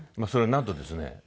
それなんとですね